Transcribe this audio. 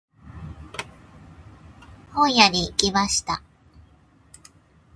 本屋に行きました。